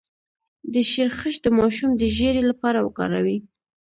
د شیرخشت د ماشوم د ژیړي لپاره وکاروئ